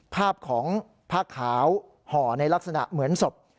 ภาพของผ้าขาวห่อในลักษณะเหมือนศพ